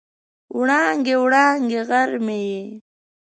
وړانګې، وړانګې غر مې یې